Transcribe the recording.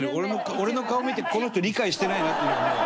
俺の顔見てこの人、理解してないなって。